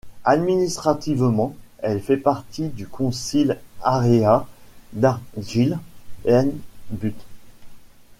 Administrativement, elle fait partie du council area d'Argyll and Bute.